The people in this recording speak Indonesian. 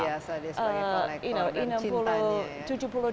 luar biasa sebagai kolektor dan cintanya